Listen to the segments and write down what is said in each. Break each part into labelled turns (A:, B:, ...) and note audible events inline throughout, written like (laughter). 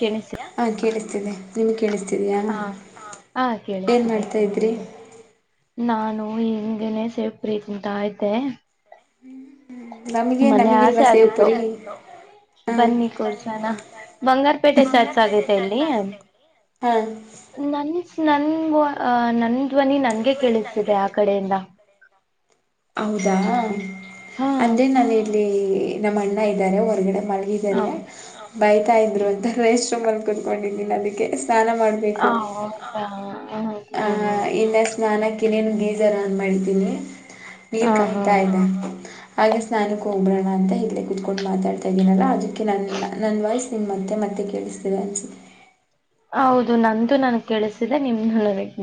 A: ಕೆಳಸ
B: ಹಾ ಕೇಳಿಸ್ತಿದೆ ನಿಮ್ಗೆ ಕೇಳಿಸ್ತ
A: ಹಾ ಹ ಕೇಳಿಸಿದೆ
B: ಮಾಡ್ತಾ ಇದ್ರಿ
A: ಕೇಳಿಸಿದೆ ನಾನು ಹಿಂದನೆ ಸೇವಪು ತಿಂತ ಇದ್ದೆ
B: ನಮಗೇ
A: ಮೊನ್ನೆ ಆಸೆ
B: ನಮಗಿಲ್ವಾ
A: ಆಗಿತ್ತು
B: ಸೇವಪುರಿ
A: ಬನ್ನಿ ಕೊಡ್ಸಾನ ಬಂಗಾರಪೇಟೆ ಚರ್ಚ್ ಆಗತೆ ಇಲ್ಲಿ
B: ಹಾಂ
A: ನನ್ ನನ್ ಅ ನನ್ ಧ್ವನಿ ನನ್ಗೆ ಕೇಳಿಸ್ತಿದೆ ಆ ಕಡೆಯಿಂದ
B: ಹೌದಾ
A: ಹಾ
B: ಅಂದ್ರೆ ನಾನ ಇಲ್ಲಿ ನಮ್ಮ್ ಅಣ್ಣ ಇದ್ದಾರೆ ಹೊರಗಡೆ ಮಲಗಿದ್ದಾರೆ
A: ಹ
B: ಬೈತಾ
A: ಹ
B: ಇದ್ರು ಅಂತ ರೇಸ್ ರೂಮ್ಲ್ಲಿ ಕುತ್ಕೊಂಡಿಲ್ಲ ಅದಕ್ಕೆ ಸ್ನಾನ ಮಾಡ್ಬೇಕು
A: ಹೌದಾ ಹ್ಮ್
B: ಆ
A: ಹ್ಮ್ ಹ್ಮ್
B: ಇನ್ನ ಸ್ನಾನಕ್ಕೆ ನೀನು ಗೀಸರ್ ಆನ್ ಮಾಡಿದ್ದೀನಿ ನೀರ್
A: ಹ ಹಾ
B: ಕಾಯ್ತಾ ಇದೆ ಹಾಗೆ ಸ್ನಾನಕ್ಕೆ ಹ ಹೋಗಬೋಣ ಅಂತ ಇಲ್ಲೇ ಕುತ್ಕೊಂಡು ಮಾತಾಡ್ತಾ ಇದ್ದೀನಲ್ಲ ಅದಕ್ಕೆ ನನ್ನ ನನ್ನ ವಾಯ್ಸ್ ನಿನ್ ಮತ್ತೆ ಮತ್ತೆ ಕೇಳಿಸ ಎರಚ
A: ಹೌದು ನಂದು ನನ್ಗ್ ಕಳಿಸಿದೆ ನಿಮ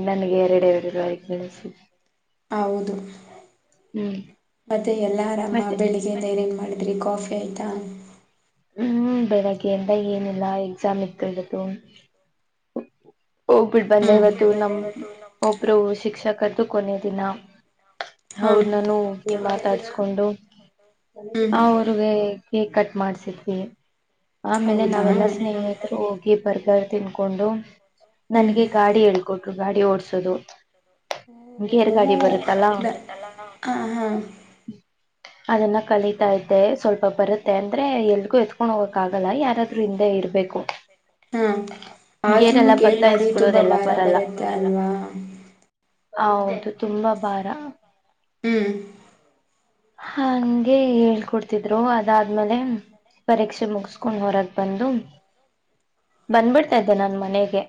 A: ನನ್ಗೆ ಎರಡೆ ಎರಡು ರೂರುವಾಯಿ ಬೆಳಿಸಿದೆ
B: ಹೌದು ಮತ್ತೆ ಎಲ್ಲಾ ಆರಾಮ
A: ಮತ್ತೆ
B: ಬೆಳಿಗ್ಗೆಯಿಂದ ಏನೇನ್ ಮಾಡ ಮಾಡಿದ್ರಿ ಕಾಫಿ ಆಯ್ತಾ
A: ಹ್ಮ್ ಬೆಳಗ್ಗೆ ಎಂದ ಏನಿಲ್ಲ ಎಕ್ಸಾಮ್ ಇದ್ದಳು ಹೋಗ್ಬಿಟ್ಟ
B: ಹ್ಞೂ
A: ಬಂದೆ ಇವತ್ತು ನಮ ಒಬ್ರು ಶಿಕ್ಷಕದ್ದು ಕೊನೆ ದಿನ
B: ಹಾಂ
A: ಅವ್ರನಾನ ಮಾತಾಡ್ಸ್ಕೊಂಡು
B: ಹ್ಞೂ
A: ಅವ ಅವ್ರಿಗೆ ಕೇಕ್ ಕಟ್ ಮಾಡ್ಸಿದ್ವಿ ಆಮೇಲೆ
B: ಹೌದಾ
A: ನಾವೆಲ್ಲಾ ಸ್ನೇಹಿತರು ಹೋಗಿ ಬರ್ಗರ್ ತಿನ್ಕೊಂಡು
B: ಹ್ಞೂ
A: ನನಗೆ ಗಾಡಿ ಹೇಳ್ಕೊಟ್ರು ಗಾಡಿ ಓಡಸೋದು ಬರುತ್ತಲ್ಲಾ
B: ಹ್ಮ ಹ ಹಾ ಹಾ
A: ಅದನ್ನ ಕಲಿತಾ ಇದ್ದೆ ಸ್ವಲ್ಪ ಬರುತ್ತೆ ಅಂದ್ರೆ ಎಲ್ಗೂ ಎತ್ಕೊಂಡ್ ಹೋಗಕ್ ಆಗಲ್ಲ ಯಾರಾದ್ರೂ ಹಿಂದೆ ಇರ್ಬೇಕು
B: ಹಾ ಆದ್ರೂನು ಕೇಳ
A: (unintelligible) ಬರಲ್ಲ ಹೌದು ತುಂಬಾ ಹರ
B: ಹ್ಮ್
A: ಹಗೆ ಹೇಳ್ಕೊಡ್ತಿದ್ರು ಅದಾದ್ಮೇಲೆ ಪರೀಕ್ಷೆ ಮುಗಸ್ಕೊಂಡ್ ಹೊರಕ್ ಬಂದು ಬಂದ್ಬಿಡ್ತಾದೆ ನನ್ ಮನೆಗೆ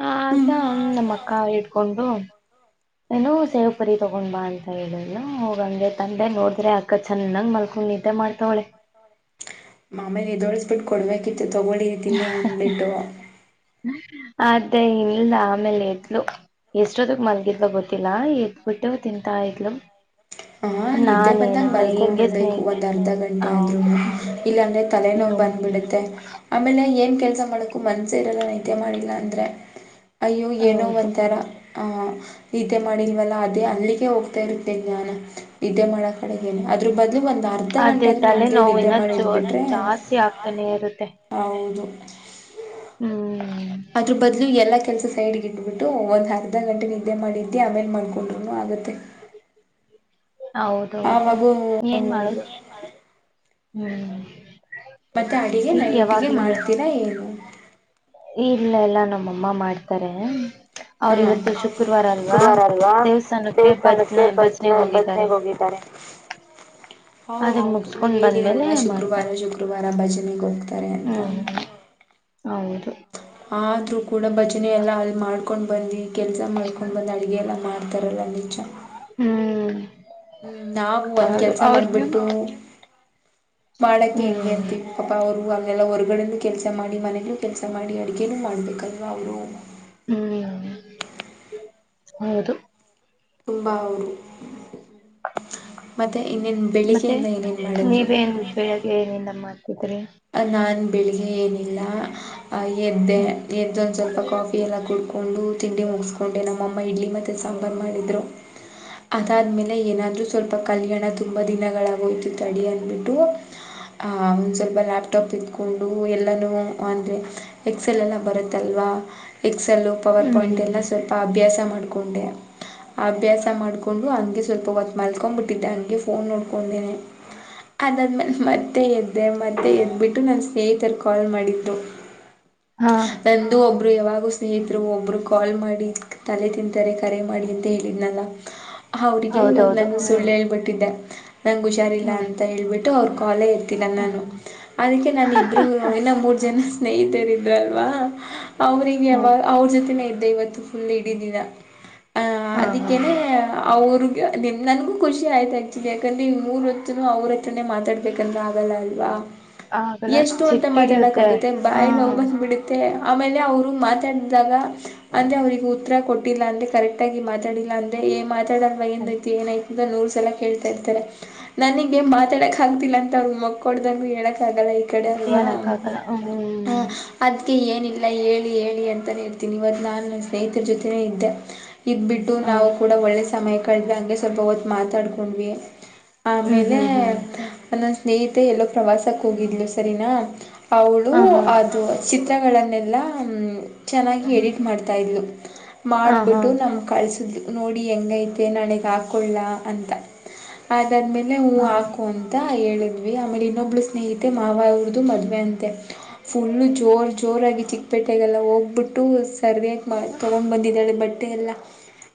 A: ಹಾ
B: ಹ್ಞೂ
A: ದಾ ನಮ್ಮ ಅಕ್ಕ ಇಟ್ಕೊಂಡು. ಏನೋ ಸೇವ್ ಪುರಿ ತಗೊಂಡ್ ಬಾ ಅಂತ ಹೇಳದ್ಲು ಹೋಗಂಗೆ ತಂದೆ ನೋಡಿದ್ರೆ ಅಕ್ಕ ಚೆನ್ನಾಗ್ ಮಲ್ಕೊಂಡಿ
B: ಮಾಮಗ ಎದ್ದೇಳ (unintelligible) ಕೊಡ್ಬೇಕಿತ್ತು ತಗೊಳ್ಳಿ ತಿನ್ನಿ ಅಂದಬಿಟ್ಟು.
A: ಅದೆ ಇಲ್ಲ ಆಮೇಲ ಎದ್ಲು. ಎಷ್ಟೊತಕ್ ಮಲ್ಗಿದ್ಲು ಗೊತ್ತಿಲ್ಲಾ ಎದ್ಬಿಟ್ಟು ತಿಂತಾ ಇದ್ಲು.
B: (inaudible) ಹ ನಿದ್ದೆ ಬಂದಾಗ
A: ನಾನೇನಿಲ್ಲ
B: ಮಲ್ಕೊನ್
A: ಹಿಂಗೆ ಸ್ನೇಹ
B: ಬಿಡ್ಬೇಕು ಒಂದ್ ಅರ್ಧ ಗಂಟೆ
A: ಹೌದು
B: ಆದ್ರುನು ಇಲ್ಲ ಅಂದ್ರೆ
A: ಹ್ಮ್
B: ತಲೆನೋವು ಬಂದ.
A: ಹ್ಮ್
B: ಬಿಡುತ್ತೆ ಆಮೇಲೆ ಏನ್ ಕೆಲ ಕಸ ಮಾಡಕು ಮನ್ಸೇ ಇರಲ್ಲ ನಿದ್ದೆ ಮಾಡಿಲ್ಲ ಅಂದ್ರೆ ಅಯ್ಯೋ ಏನೋ
A: ಹೌದು
B: ಒಂತಾರ. ಹ ನಿದ್ದೆ ಮಾಡಿಲ್ವಲ್ಲ ಅದೇ ಅಲ್ಲಿಗೆ ಹೋಗ್ತಾ ಇರ್ ತ್ತೆ ದ್ಯಾನ ನಿದ್ದೆ ಮಾಡೋ ಕಡೆಗೇನೆ ಏನೆ ಅದ್ರ ಬದ್ಲು ಒಂದ ದು ಅರ್ಧ
A: ಅದೇ
B: ಗಂಟೆ ಆದ್ರು
A: ತಲೆ
B: ನೆಮ್ಮದಿಯಾಗಿ
A: ನೋವು
B: ನಿದ್ರೆ
A: ಇನ್ನ ಜೋ
B: ಮಾಡ್ಬಟ್ರೆ
A: ಜಾಸ್ತಿ ಆಗ್ತಾನೆ
B: ಹೌದು.
A: ಹ್ಮ
B: ಕೆಲ್ಸ ಸೈಡ್ಗೆ ಇಟ್ಬಿಟ್ಟು ಒಂದ್ ಅರ್ಧ ಗಂಟೆ ನಿದ್ದೆ ಮಾಡೇದ್ದಿ ಆಮೇಲೆ ಮಾಡ್ಕೊಂಡ್ರುನು ಆಗತ್ತೆ. (inaudible)
A: ಹೌದೌದೌದು ಏನ್ ಮಾಡದು.
B: ಹ್ಮ್ ಮತ್ತೆ ಅಡಿಗೆ ನೈಟಿಗೆ
A: ಯಾವಾಗ್ಲೂನು
B: ಮಾಡ್ತೀರಾ ಏನು.
A: ಇಲ್ಲ ಎಲ್ಲಾ ನಮ್ಮಮ್ಮ ಮಾಡ್ತಾರೆ. ಅವ್ರ
B: ಹ್ಮ್
A: ಇವತ್ತು
B: ಅವ್ರು
A: ಶುಕ್ರವಾರ ಅಲ್ವಾ
B: ಶುಕ್ರವಾರ ಅಲ್ವಾ
A: ದೇವಸ್ಥಾನಕ್ಕೆ ಭಜನ
B: ದೇವಸ್ಥಾನಕ್ಕೆ ಬಜನಾ
A: ಭಜನೆಗೆ ಹೋಗಿದ್ದಾರೆ
B: ಬಜನೆಗೆ ಹೋಗಿದ್ದಾರೆ. (inaudible) ಓ
A: ಅದನ್ನ
B: ಹೌದು ನೀವ್
A: ಮುಗಸ್ಕೊಂಡ್ ಬಂದ್ಮೇಲೆ
B: ಹೇಳಿದರಲ್ವಾ ಶುಕ್ರವಾರ
A: ಮಾಡ್ತಾರೆ
B: ಶುಕ್ರವಾರ ಭಜನೆಗೆ ಹೋಗ್ತಾರೆ ಅಂತ.
A: ಹ್ಮ್ ಹೌದು
B: ಆದ್ರೂ ಕೂಡ ಭಜನೆ ಎಲ್ಲ ಅಲ್ಲಿ ಮಾಡ್ಕೊಂಡ್. ಬಂದಿ ಕೆಲಸ ಮಾಡ್ಕೊಂಡು ಬಂದು ಅಡುಗೆ ಎಲ್ಲ ಮಾಡ್ತಾರಲ್ಲ ಅಲ್ಲಿ
A: ಹ್ಮ್
B: ಹ್ಮ್ ನಾವು ಒಂದ್
A: ಹೌದು
B: ಕೆಲ್ಸ
A: ಅವ್ರಗ
B: ಮಾಡ್ಬಿಟ್ಟು ನೀವು. ಮಾಡಕ್ಕೆ ಹೆಂಗೆ
A: ಹ್ಮ್
B: ಅಂತಿನೀ ಪಪಾ ಅವ್ರು. ಅಲ್ಲೆಲ್ಲ ಹೊರ್ಗಡೆನು ಕೆಲಸ ಮಾಡಿ ಮನೆಯಲ್ಲೂ ಕೆಲಸ ಮಾಡಿ ಅಡುಗೆನೂ ಮಾಡ್ಬೇಕಲ್ವಾ ಅವರು.
A: ಹ್ಮ್ ಹೌದು
B: ತುಂಬಾ ಅವರು ಮತ್ತೆ. ಇನ್ನೇನ್
A: ಮತ್ತೆ
B: ಬೆಳಿಗ್ಗೆಯಿಂದ ಏನೇನ್ ಮಾಡಿದ್ರಿ
A: ನೀವೇನ್ ಬೆಳಗ್ಗೆ ಏನೆನ್ ಮಾಡತಿದ್ರಿ.
B: ನಾನು ಬೆಳಿಗ್ಗೆ ಏನಿಲ್ಲ. ಆ ಎದ್ದೆ
A: ಹ್ಮ್
B: ಎದ್ದೊಂದ ಸ್ವಲ್ಪ ಕಾಫಿ ಎಲ್ಲ ಕುಡ್ಕೊಂಡು ತಿಂಡಿ ಮುಗಿಸಕೊಂಡೆ ನಮ್ ಮ್ಮಮ್ಮ ಇಡ್ಲಿ ಮತ್ತೆ ಸಾಂಬಾರ್ ಮಾಡಿದ್ರು. ಅದಾದ್ಮೇಲೆ ಏನಾದ್ರು ಸ್ವಲ್ಪ ಕಲಿಯಣ ತುಂಬಾ ದಿನಗಳಾಗೋಯ್ತು ತಡಿ ಅಂದಬಿಟ್ಟು. ಹ ಒಂದ ಸ್ವಲ್ಪ ನಾ ಲ್ಯಾಪ್ಟಾಪ್ (unintelligible) ಇದಕೊಂಡು ಎಲ್ಲನೂ ಅಂದರೆ ಎಕ್ಸೆಲ್ ಎಲ್ಲ ಬರುತ್ತಲ್ವಾ. ಎಕ್ಸೆಲ್ಲು ಪವರ್
A: ಹ್ಮ್
B: ಪಾಯಿಂಟ್
A: ಹ್ಮ್
B: ಎಲ್ಲ
A: ಹ್ಮ್
B: ಸ್ವಲ್ಪ ಅಭ್ಯಾಸ ಮಾಡಕೊಂಡೆ ಅಭ್ಯಾಸ ಮಾಡಕೊಂಡು ಅಂದು ಸ್ವಲ್ಪ ಹೊತ್ತು ಮಲ್ತ್ಕೊಂಡ್ಬಿಟ್ಟಿದ್ದೆ ಹಂಗೆ ಫೋನ್ ನೋಡ್ಕೊಂಡೇನೆ ಅದಾದ್ಮೇಲೆ ಮತ್ತೆ ಎದ್ದೆ ಮತ್ತೆ ಎದ್ ಬಿಟ್ಟು ನನ್ ಸ್ನೇಹಿತರು ಕಾಲ್ ಮಾಡಿದ್ರು
A: ಹಾ
B: ನಂದು ಒಬ್. ಒಬ್ರು ಯಾವಾಗೂ ಸ್ನೇಹಿತರು ಒಬ್ರು ಕಾಲ್ ಮಾಡಿ ತಲೆ ತಿಂತಾರೆ ಕರೆ ಮಾಡಿ ಅಂತ ಹೇಳಿದ್ನಲ್ಲ ಅವರಿಗೆ ಇವತ್ತು
A: ಹೌದೌದು
B: ನಾನ್
A: ಹ್ಮ್
B: ಸುಳ್ಳು ಹೇಳ್ಬಿಟ್ಟಿದ್ದೆ ನಂಗ ಹುಷಾರಿಲ್ಲ
A: ಹ್ಮ್
B: ಅಂತ ಹೇಳ್ಬಿಟ್ಟು ಅವರು ಕಾಲೆ ರ (unintelligible)
A: ಹ
B: ನಾನು ಅದಕ್ಕೆ ನಾನ ಇಬ್ರು ಹಿನ ಮೂರ್ ಜನ ಸ್ನೇಹಿತರ ಇದ್ರಲ್ವಾ ಅವ್ರಿಗೆ
A: ಹ್ಮ್
B: ಯಾವಾಗ ಅವ್ರ ಜೊತೆನೇ ಇದ್ದೆ ಇವತ್ತು ಫುಲ್ ಇಡಿದಿನ. ಆ
A: ಹಾ ಹಾ
B: ಅದಕ್ಕೆನೆ
A: ಹ್ಮ
B: ಅವ್ರು. ನಿಮ್ ನನ್ಗೂ ಖುಷಿ ಆಯ್ತಾ ಆಕ್ಚುಲಿ ಯಾಕಂದ್ರೆ ಈ ಮೂರ್ ಹೊತ್ತುನು ಅವ್ರ ಹತ್ರನೆ ಮಾತಾಡ್ಬೇಕಂದ್ರೆ ಆಗಲ್ಲ ಅಲ್ವಾ.
A: ಆಗಲ್ಲ
B: ಎಷ್ಟು ಅಂತ
A: ಚಿಟ್ಟಿ
B: ಮಾತಾಡಕ್
A: ಹಿಡಿಯುತ್ತೆ
B: ಆಗುತ್ತೆ
A: ಹ
B: ಬಾಯಿ ನೋವಬಂದ್ ಬಿಡುತ್ತೆ. ಆಮೇಲೆ ಅವರು ಮಾತಾಡಿದಾಗ ಅಂದೆ ಅವ್ರಿಗೆ ಉತ್ತರ ಕೊಟ್ಟಿಲ್ಲ ಅಂದ್ರೆ ಕರೆಕ್ಟ್ ಆಗಿ ಮಾತಾಡಿಲ್ಲ ಅಂದೆ ಏ ಮಾತ ಚನ್ ವಯನಿದ್ದಿಯನೆ ನೂರ್ ಸಲ ಕೇಳ್ತಾ ಇರ್ತಾರೆ ನನಗ ಮಾತಾಡಕ್ ಆಗ್ತಿಲ್ಲ ಅಂತ ಅವ್ರರು ಮಕ್ಕೊಡ್ದಂಗ ಹೇಳಕ್ ಲ್ಲ ಈ ಕಡೆ ಅಲ್ವಾ
A: ಹೇಳಕ್ ಆಗಲ್ಲ ಹ್ಮ್
B: ಅದಕ್ಕೆ ಏನಿಲ್ಲ ಎಲ್ಲ ಹೇಳಿ ಹೇಳಿ ಅಂತಾನೇ ಇರ್ತೀನಿ ಇವತ್ ನಾನು ಸ್ನೇಹಿತರ ಜೊತೆನೇ ಇದ್ದೆ ಇಗಬಿಟ್ಟು
A: ಹ
B: ನಾವು ಕೂಡ ಒಳ್ಳೆ ಸಮಯ ಕಳೆದ್ವಿ ಹಾಗೆ ಸ್ವಲ್ಪ ಹೊತ್ತು ಮಾತಾಡ್ಿಕೊಂಡ್ವಿ
A: ಹ್ಮ್
B: ಆಮೇಲೆ
A: ಹ್ಮ್ ಹ್ಮ್
B: ನನ್ನ ಸ್ನೇಹಿತೆ ಎಲ್ಲೋ ಪ್ರವಾಸಕ್ಕೆ ಹೋಗಿದ್ಲು ಸರಿನಾ ಅವಳು
A: ಹ ಹಾ
B: ಅದು ಚಿತ್ರಗಳನ್ನೆಲ್ಲ ಚೆನ್ನಾಗಿ ಎಡಿಟ್ ಮಾಡ್ತಾಯಿದ್ಲು
A: ಹ
B: ಮಾಡಿಬಿಟ್ಟು
A: ಹಾ
B: ನಮಗೆ ಕಳಿಸಿದ್ಲು ನೋಡಿ ಹೆಂಗೈತೆ ನಳಗೆ ಹಾಕ್ಕೊಳ್ಳ ಅಂತ ಆ ಅದನ್್ಮೇಲೆ ಹೂವು
A: ಹಾ
B: ಹಾಕು ಅಂತ ಹೇಳಿದ್ವಿ ಆಮೇಲೆ ಇನ್ನೊಬ್ಳ ಸ್ನೇಹಿತೆ ಮಾವ ಅವ್ರದ್ದು ಮದುವೆ ಅಂತೆ ಫುಲ್ಲು ಜೋರು ಜೋರಾಗಿ ಚಿಕ್ಕಪೇಟೆಗೆಲ್ಲ ಹೋಗ್ಬಿಟ್ಟು ಸರ್ವೆ ತಗೊಂಡ್ ಬಂದಿದ್ದಾಳೆ ಬಟ್ಟೆ ಎಲ್ಲ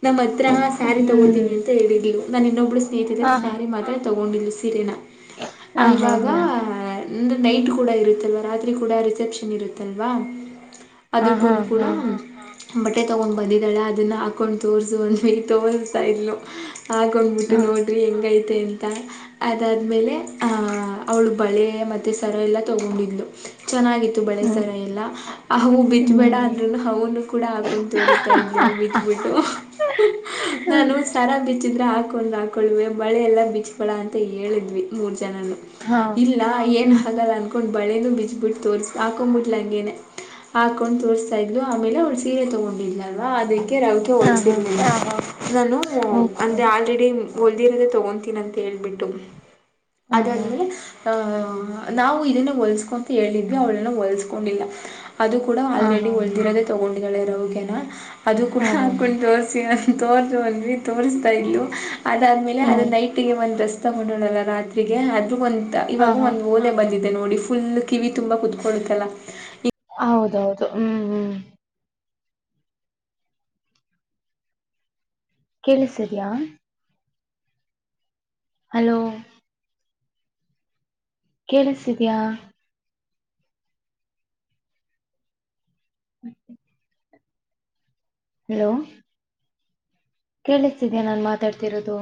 B: ನಮ್ಮ ಹತ್ರ
A: ಹ್ಮ್
B: ಸ್ಯಾರಿ ತಗೋತೀನಿ
A: ಹ್ಮ್
B: ಅಂತ ಹೇಳಿದ್ಲು ನಾನು ಇನ್ನೊಬ್ಳು
A: ಹ
B: ಸ್ನೇಹಿತಿದರೆ ಸ್ಯಾರಿ ಮಾತ್ರ ತೊಗೊಂಡಿದ್ದ್ಲು ಸೀರೆನಾ
A: ಹಾ ಹಾ
B: ಇವಾಗ
A: ಹಾ
B: ಅಂದ್ರೆ ನೈಟ್ ಕೂಡ ಇರುತ್ತಲ್ವಾ ರಾತ್ರಿ ಕೂಡ ರಿಸೆಪ್ಷನ್ ಇರುತ್ತಲ್ವಾ
A: ಹ ಹಾ ಹಾ
B: ಅದಕ್ಕನು ಕೂಡ
A: ಹಾ
B: ಬಟ್ಟೆ ತೊಗೊಂಡು ಬಂದಿದ್ದಾಳೆ ಅದನ್ನು ಹಾಕ್ಕೊಂಡು ತೋರಿಸು ಒಂದು ಮೇ ತೋರ್್ತಾ ಇಲು ಆಗೊಂಡ್ಬಿಟ್ಟು ನೋಡ್ರಿ ಹೆಂಗೈತೆ ಅಂತ ಅದಾದ್ಮೇಲೆ ಅವ್ಳು ಬಳೆ ಮತ್ತೆ ಸರ ಎಲ್ಲ ತಗೊಂಡಿದ್ಲು ಚೆನ್ನಾಗಿತ್ತು
A: ಹ್ಮ್
B: ಬಳೆಸರ ಎಲ್ಲ ಅವು ಬಿತ್ಬೇಡ
A: ಹ್ಮ್
B: ಅದ್ರನು ಹವುನು ಕೂಡ ಹಾಕೊಂಡು ತೋರಿಸ್ತಾ ಇದವು ಬಿತ್ಬಿಟ್ಟು ನಾನು ಸರ ಬಿಚ್ಚಿದ್ರೆ ಹಾಕ ಹೊಂಡ್ ಹಾಕೊಳ್ಳುವೆ ಬಳೆ ಎಲ್ಲ ಬೀಚ್ ಬಳ ಅಂತ ಹೇಳಿದ್ವಿ ಮೂರ್ ಜನ
A: ಹಾ
B: ಇಲ್ಲ ಏನು
A: ಹ್ಮ್
B: ಹಾಗಲ್ಲ ಅಂದಕೊಂಡು ಬಳೆನ ಬಿಜ್ಬ ಬಿಟ್ಟು ತೋರಿಸ ಹಾಕೊ್ಂಬಿಟ್ಲಂಗೇ ಹಾಕೊಂಡ್ ತೋರ್್ತಾ ಇದ್ಲು ಆಮೇಲೆ ಒಳ ಸೀರೆ ತಗೊಂಡಿದ್ಲಲ್ವಾ ಅದಕ್ಕೆ ರಗೆ
A: ಹ
B: ಹೋಲ್ಸ
A: ಹಾ
B: ನಾನು
A: ಓಕೆ
B: ಅಂದೆ ಆಲ್ರೆಡಿ ಹೊಲ್ದಿರೋದ ತಗೊತೀನ ಅಂತ ಹೇಳ್ಬಿಟ್ಟು
A: ಹ ಹಾ
B: ಅದಾದ್ಮೇಲೆ ಆಹ ನಾವು ಇದನ್ನ ಹೊಲ್ಸ್ಕೊಂತ ಹೇಳಿದ್ವಿ ಅವ್ಳನ್ನ ಹೊಲ್ಸ್ಕೊಂಡಿಲ್ಲ ಅದು ಕೂಡ
A: ಹ
B: ಆಲ್ರೆಡಿ
A: ಹಾ
B: ಒಳದಿರೋದೆೇ ತೊಗೊಂಡಳೆ ರವಗೆನ ಅದು ಕೂಡ
A: ಹಾ ಹಾ ಹಾ
B: ಹಾಕೊಂಡು ದೋಸೆ ತೋರ್ದು ಅನ್ರಿ ತೋರಿಸ್ತಾ ಇ್ಲು ಅದಾದ್ಮೇಲೆ ಅದು
A: ಹ್ಮ್
B: ನೈಟಿಗೆ ಒಂದು ರೆಸ್ ತಗೊಂಡೋಲ್ಲ ರಾತ್ರಿರಿಗೆ ಅದು ಒ
A: ಹಾ
B: ಇವಾಗ
A: ಹಾ
B: ಒಂದು್ ಓಲೆ ಬಂದಿದೆ ನೋಡಿ ಫುಲ್ ಕಿವಿ ತುಂಬಾ ಕುತ್ಕೊಳ್ಳುತ್ತಲ್ಲ
A: ಹೌದೌದು ಹ್ಮ್ ಹ್ಮ್ ಕೇಳಿಸಿದಯ ಹಲೋ ಕೇಳಿಸಿದ್ಯಾ ಹ ಹವು ಕೇಳಿಸ್ತಿದ್ಯಾ ನಾನ್ ಮಾತಾಡ್ತಿರೋದು